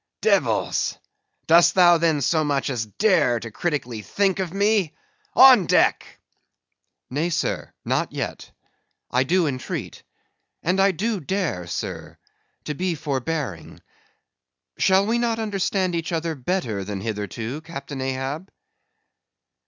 "Devils! Dost thou then so much as dare to critically think of me?—On deck!" "Nay, sir, not yet; I do entreat. And I do dare, sir—to be forbearing! Shall we not understand each other better than hitherto, Captain Ahab?"